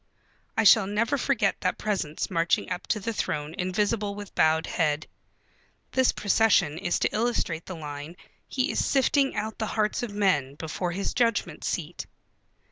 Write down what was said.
I shall never forget that presence marching up to the throne invisible with bowed head. This procession is to illustrate the line: "He is sifting out the hearts of men before his Judgment Seat."